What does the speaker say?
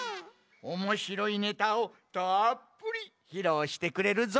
おもしろいネタをたっぷりひろうしてくれるぞい。